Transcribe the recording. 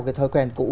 cái thói quen cũ